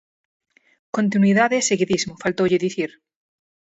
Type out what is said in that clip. Continuidade e seguidismo, faltoulle dicir.